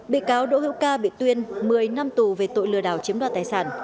bị cáo đỗ hữu ca bị tuyên một mươi năm tù về tội lừa đảo chiếm đoạt tài sản